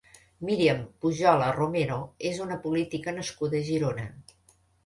Míriam Pujola Romero és una política nascuda a Girona.